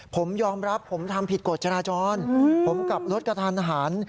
ผมยอมรับผมทำผิดกฎจราจรผมกลับรถกระทานอาหาร